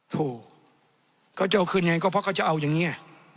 โถก็จะเอาคืนไงก็เพราะเขาจะเอาอย่างนี้